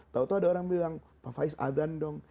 tau tau ada orang bilang pak faiz adhan dong